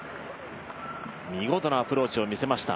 見事なアプローチを見せました。